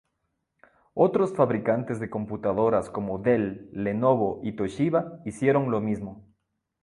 Otros fabricantes de computadoras como Dell, Lenovo y Toshiba hicieron lo mismo.